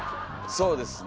そうですね。